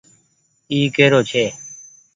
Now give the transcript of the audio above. اي ڪيرو ڇي۔